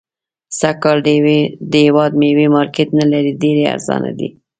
سږ کال د هيواد ميوي مارکيټ نلري .ډيري ارزانه دي